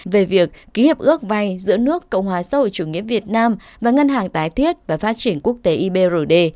về việc ký hiệp ước vay giữa nước cộng hòa xã hội chủ nghĩa việt nam và ngân hàng tái thiết và phát triển quốc tế ibrd